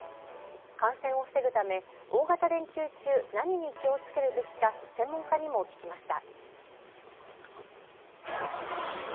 感染を防ぐため、大型連休中何に気をつけるべきか専門家にも聞きました。